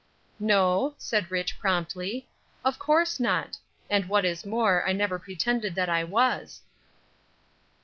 "No," said Rich., promptly; "of course not. And, what is more, I never pretended that I was."